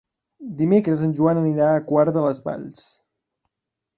Dimecres en Joan anirà a Quart de les Valls.